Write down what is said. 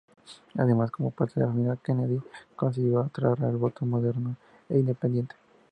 Además, como parte de la familia Kennedy, consiguió atraer al voto moderado e independiente.